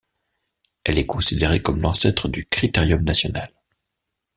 Elle est considérée comme l'ancêtre du Critérium national.